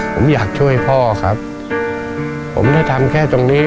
ผมอยากช่วยพ่อครับผมได้ทำแค่ตรงนี้